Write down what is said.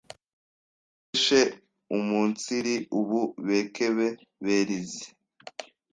ubufeshe umunsiri ubu bekebe berize